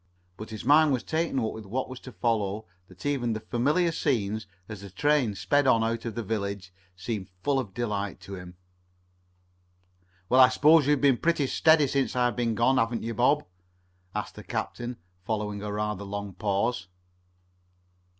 But his mind was so taken up with what was to follow that even the familiar scenes as the train sped on out of the village seemed full of delight to him. "Well, I s'pose you've been pretty steady since I've been gone, haven't you, Bob?" asked the captain, following a rather long pause.